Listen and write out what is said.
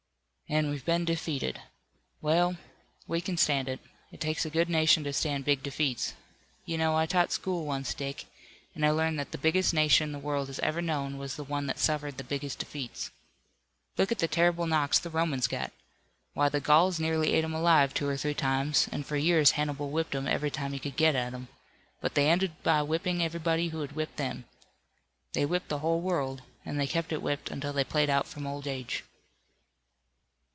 "And we've been defeated. Well, we can stand it. It takes a good nation to stand big defeats. You know I taught school once, Dick, and I learned that the biggest nation the world has ever known was the one that suffered the biggest defeats. Look at the terrible knocks the Romans got! Why the Gauls nearly ate 'em alive two or three times, and for years Hannibal whipped 'em every time he could get at 'em. But they ended by whipping everybody who had whipped them. They whipped the whole world, and they kept it whipped until they played out from old age."